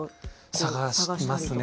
探していますね。